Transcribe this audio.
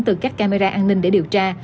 từ các camera an ninh để điều tra